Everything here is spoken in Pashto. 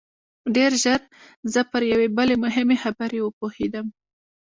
ډېر ژر زه پر یوې بلې مهمې خبرې وپوهېدم